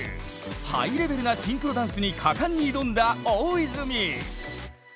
ハイレベルなシンクロダンスに果敢に挑んだ大泉！